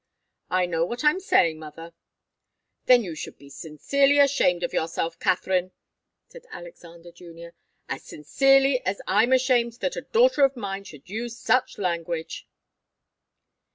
"I know what I'm saying, mother " "Then you should be sincerely ashamed of yourself, Katharine," said Alexander Junior. "As sincerely as I'm ashamed that a daughter of mine should use such language."